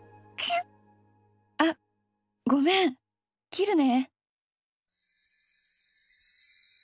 ・あごめん切るね。